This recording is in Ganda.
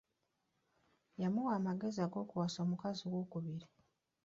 Yamuwa amagezi ag'okuwasa omukazi ow'okubiri.